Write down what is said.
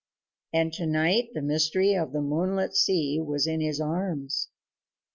And to night the mystery of the moonlit sea was in his arms.